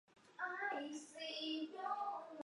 该片背景为北宋宋仁宗赵祯年间。